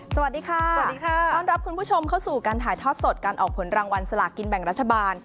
สวัสดีค่ะสวัสดีค่ะต้อนรับคุณผู้ชมเข้าสู่การถ่ายทอดสดการออกผลรางวัลสลากินแบ่งรัฐบาล